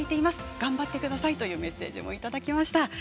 頑張ってくださいとメッセージもいただきました。